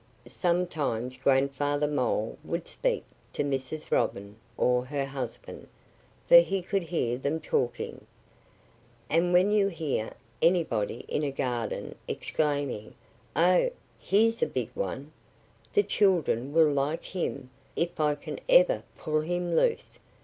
Sometimes Grandfather Mole would speak to Mrs. Robin, or her husband; for he could hear them talking. And when you hear anybody in a garden exclaiming, "Oh, here's a big one! The children will like him, if I can ever pull him loose!"